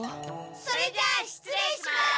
それじゃあしつれいします。